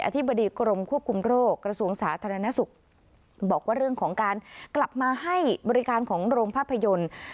ธิบดีกรมควบคุมโรคกระทรวงสาธารณสุขบอกว่าเรื่องของการกลับมาให้บริการของโรงภาพยนตร์